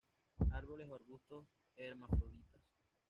Árboles o arbustos; hermafroditas.